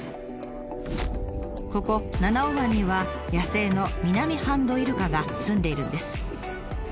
ここ七尾湾には野生のミナミハンドウイルカがすんでいるんです。